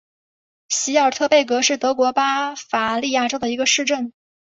席尔特贝格是德国巴伐利亚州的一个市镇。